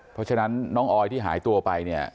เพราะฉะนั้นน้องออยที่หายตัวไปเนี่ย